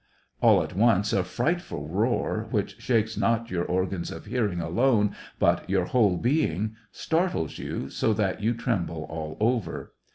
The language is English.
All at once a frightful roar, which shakes not your organs of hearing alone but your whole being, startles you so that you tremble all over.